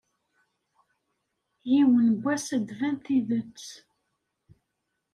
Yiwen n wass ad d-tban tidet.